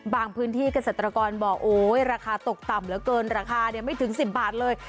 พื้นที่เกษตรกรบอกโอ๊ยราคาตกต่ำเหลือเกินราคาไม่ถึง๑๐บาทเลย